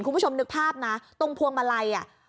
คุณผู้ชมนึกภาพนะตรงพวงมาลัยอ่ะ